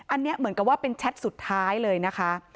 อันนี้เหมือนกับว่าเป็นแชทสุดท้ายเลยนะคะ